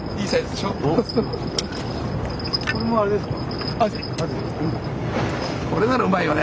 これもあれですか？